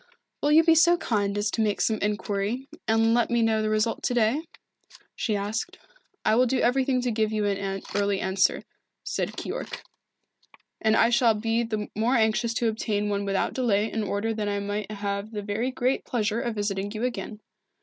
"Will you be so kind as to make some inquiry, and let me know the result to day?" she asked. "I will do everything to give you an early answer," said Keyork. "And I shall be the more anxious to obtain one without delay in order that I may have the very great pleasure of visiting you again.